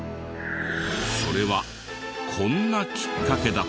それはこんなきっかけだった。